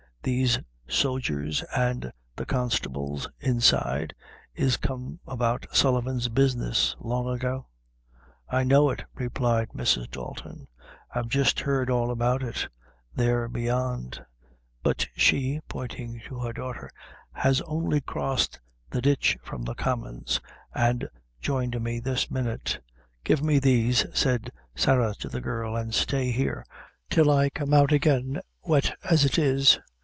These sogers, and the constables inside, is come about Sullivan's business, long ago." "I know it," replied Mrs. Dalton; "I've just heard all about it, there beyond; but she," pointing to her daughter, "has only crossed the ditch from the commons, and joined me this minute." "Give me these," said Sarah to the girl, "and stay here till I come out again, wet as it is.